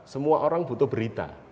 semua orang butuh berita